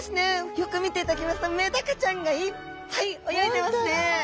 よく見ていただきますとメダカちゃんがいっぱい泳いでますね。